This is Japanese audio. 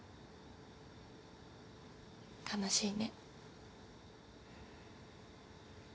悲しいね。